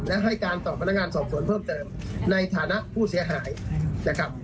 และให้การต่อพนักงานสอบสวนเพิ่มเติมในฐานะผู้เสียหายนะครับ